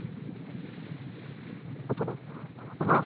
মনে কত প্রশ্ন আর ভয় আপনার!